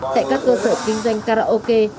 tại các cơ sở kinh doanh karaoke